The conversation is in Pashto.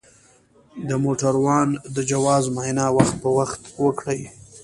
د موټروان د جواز معاینه وخت په وخت وکړئ.